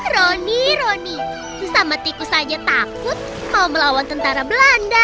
roni roni sesama tikus saja takut mau melawan tentara belanda